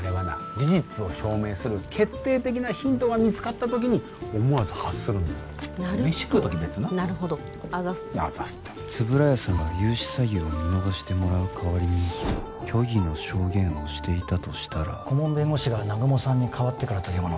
事実を証明する決定的なヒントが見つかった時に思わず発するんだよメシ食う時別ななるほどあざっす何だあざっすって円谷さんが融資詐欺を見逃してもらう代わりに虚偽の証言をしていたとしたら顧問弁護士が南雲さんにかわってからというもの